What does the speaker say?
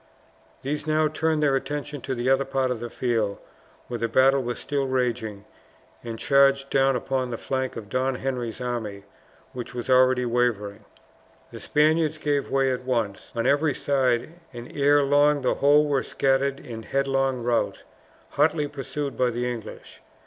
These now turned their attention to the other part of the field where the battle was still raging, and charged down upon the flank of Don Henry's army, which was already wavering. The Spaniards gave way at once on every side, and ere long the whole were scattered in headlong rout, hotly pursued by the English.